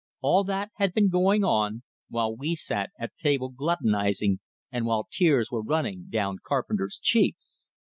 All that had been going on, while we sat at table gluttonizing and while tears were running down Carpenter's cheeks!